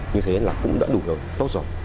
như thế là cũng đã đủ rồi tốt rồi